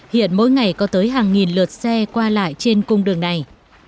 hiện mỗi ngày có tới hàng nghìn lượt xe qua lại trên cung đường này